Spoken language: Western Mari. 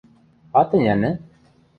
Ат ӹнянӹ?